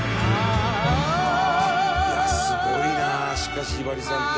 「いやすごいなしかしひばりさんって」